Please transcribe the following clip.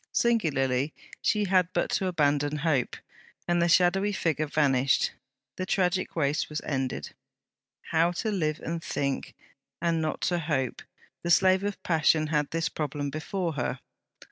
Singularly, she had but to abandon hope, and the shadowy figure vanished, the tragic race was ended. How to live and think, and not to hope: the slave of passion had this problem before her.